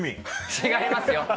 違いますよ！